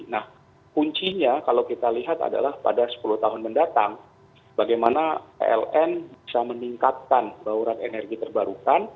nah kuncinya kalau kita lihat adalah pada sepuluh tahun mendatang bagaimana pln bisa meningkatkan bauran energi terbarukan